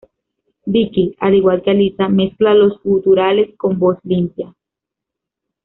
Vicky, al igual que Alissa mezcla los guturales con voz limpia.